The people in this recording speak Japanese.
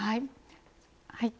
はい。